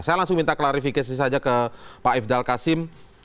saya langsung minta klarifikasi saja ke pak ifdal kasim